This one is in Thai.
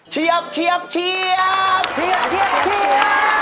เชียบเชียบเชียบเชียบเชียบเชียบเชียบ